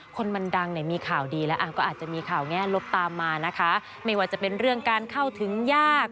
คนมันดังเนี่ยมีข่าวดีแล้วก็อาจจะมีข่าวแง่ลบตามมานะคะไม่ว่าจะเป็นเรื่องการเข้าถึงยาก